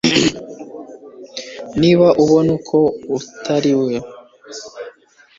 niba ubona ko utari we